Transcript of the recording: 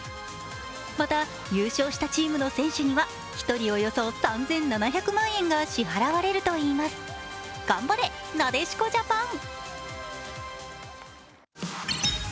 また優勝したチームの選手には１人およそ３７００万円が支払われるといいます、頑張れ、なでしこジャパン。